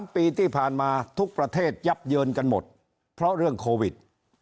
ปีที่ผ่านมาทุกประเทศยับเยินกันหมดเพราะเรื่องโควิด